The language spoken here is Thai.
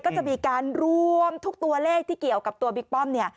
ก็จะมีการรวมทุกตัวเลขที่เกี่ยวกับตัวบิ๊กป้อมเนี่ย